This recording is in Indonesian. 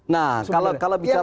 nah kalau bicara